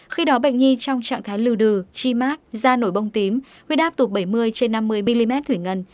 khi đó bệnh nhi trong trạng thái lừ đừ chi mát da nổi bông tím huyết đáp tục bảy mươi trên năm mươi mm thủy ngân